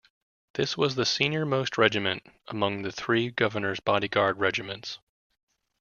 This was the senior most regiment among the three Governor's Body Guard regiments.